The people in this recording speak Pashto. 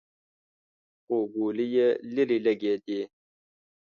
خو ګولۍ يې ليرې لګېدې.